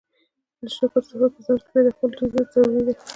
د شکر صفت په ځان کي پيدا کول ډير زيات ضروري دی